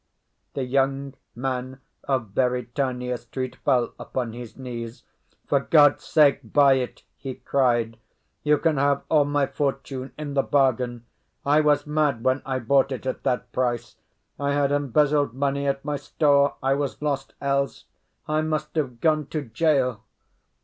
The young man of Beritania Street fell upon his knees. "For God's sake buy it!" he cried. "You can have all my fortune in the bargain. I was mad when I bought it at that price. I had embezzled money at my store; I was lost else; I must have gone to jail."